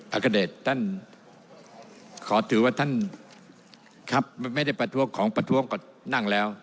อ่าขอขอถือว่าท่านไม่ได้พระท้วงของพระทะวมกันนั่งแล้ว